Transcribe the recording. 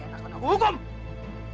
wah mereka mencukupi